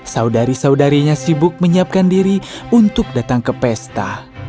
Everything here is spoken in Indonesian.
saudari saudarinya sibuk menyiapkan diri untuk datang ke pesta